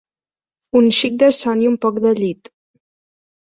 Un xic de son i un poc de llit.